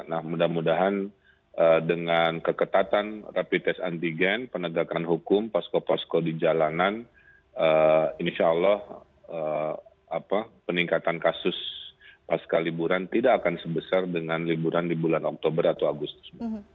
nah mudah mudahan dengan keketatan rapid test antigen penegakan hukum posko posko di jalanan insya allah peningkatan kasus pasca liburan tidak akan sebesar dengan liburan di bulan oktober atau agustus